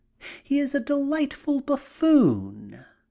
He is a delightful buffoon.